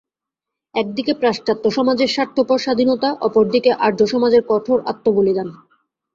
একদিকে পাশ্চাত্য সমাজের স্বার্থপর স্বাধীনতা, অপরদিকে আর্যসমাজের কঠোর আত্ম-বলিদান।